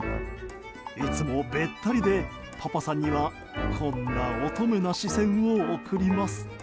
いつもべったりで、パパさんにはこんな乙女な視線を送ります。